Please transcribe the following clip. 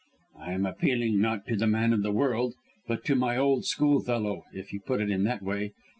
"I am appealing, not to the man of the world, but to my old schoolfellow, if you put it in that way.